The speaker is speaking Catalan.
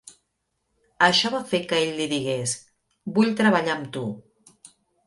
Això va fer que ell li digués: Vull treballar amb tu.